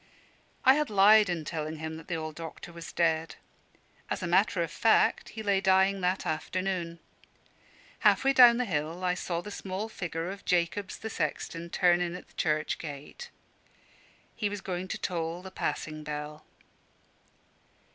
I had lied in telling him that the old doctor was dead. As a matter of fact he lay dying that afternoon. Half way down the hill I saw the small figure of Jacobs, the sexton, turn in at the church gate. He was going to toll the passing bell.